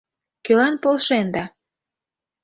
— Кӧлан полшенда?